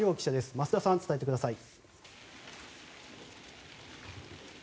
増田さん、伝えてください。